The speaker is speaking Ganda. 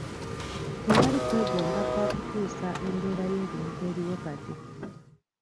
Tewali kwegomba kwa kukyuusa embeera y'ebintu eriwo kati.